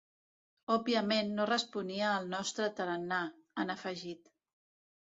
Òbviament, no responia al nostre tarannà, han afegit.